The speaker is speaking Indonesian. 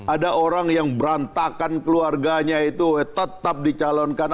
ada orang yang berantakan keluarganya itu tetap dicalonkan